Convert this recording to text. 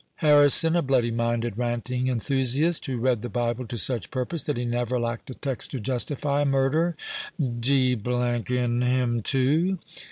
Harrison—a bloody minded, ranting enthusiast, who read the Bible to such purpose, that he never lacked a text to justify a murder—d—n him too.